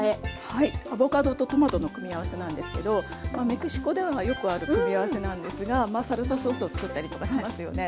はいアボカドとトマトの組み合わせなんですけどメキシコではよくある組み合わせなんですがサルサソースを作ったりとかしますよね。